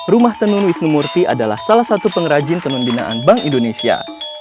rumah tenun wisnu murti adalah salah satu pengrajin tenun binaan bank indonesia